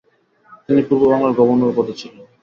তিনি পূর্ব বাংলার গভর্নর পদে ছিলেন।